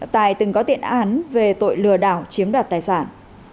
tài từng có tiện án về tội lừa đảo chiếm đặt tài sản